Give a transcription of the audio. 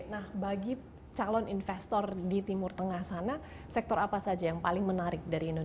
nah bagi calon investor mbak frida bagaimana perjanjian tersebut